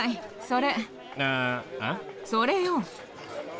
それよ。